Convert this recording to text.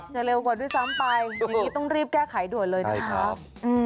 เร็วกว่าด้วยซ้ำไปอย่างนี้ต้องรีบแก้ไขด่วนเลยนะครับ